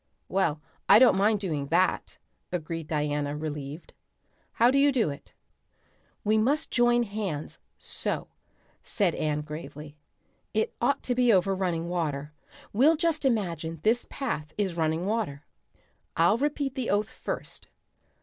"Well, I don't mind doing that," agreed Diana, relieved. "How do you do it?" "We must join hands so," said Anne gravely. "It ought to be over running water. We'll just imagine this path is running water. I'll repeat the oath first.